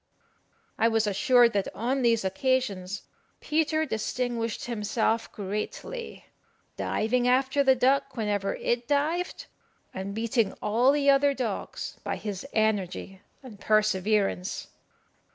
I was assured that on these occasions Peter distinguished himself greatly, diving after the duck whenever it dived, and beating all the other dogs by his energy and perseverance.